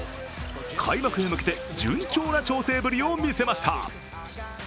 開幕へ向けて順調な調整ぶりを見せました。